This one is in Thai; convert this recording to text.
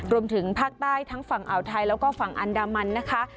รวมถึงภาคใต้ทั้งฝั่งอ่าวไทยแล้วก็ฝั่งอันดามันนะคะ